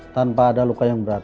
tanpa ada luka yang berat